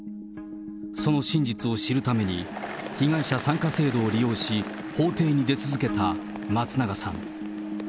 その真実を知るために、被害者参加制度を利用し、法廷に出続けた松永さん。